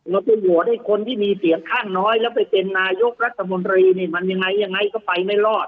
เราไปโหวตให้คนที่มีเสียงข้างน้อยแล้วไปเป็นนายกรัฐมนตรีนี่มันยังไงยังไงก็ไปไม่รอด